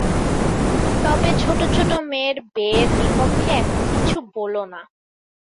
তবে ছোট ছোট মেয়ের বে-র বিপক্ষে এখন কিছু বলো না।